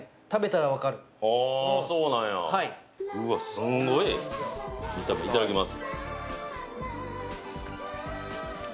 すっごい、いただきます。